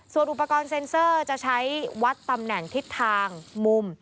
ส่วนอุปกรณ์เซ็นเซอร์จะใช้วัดตำแหน่งทิศทางมุม